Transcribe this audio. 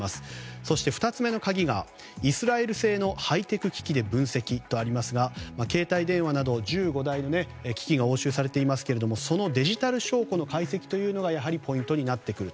そして、２つ目の鍵がイスラエル製のハイテク機器で分析とありますが携帯電話など１５台の機器が押収されていますがそのデジタル証拠の解析がやはりポイントになってくると。